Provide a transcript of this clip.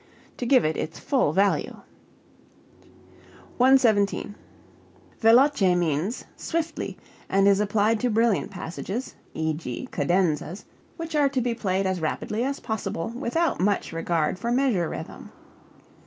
_, to give it its full value. 117. Veloce means swiftly, and is applied to brilliant passages (e.g., cadenzas) which are to be played as rapidly as possible without much regard for measure rhythm.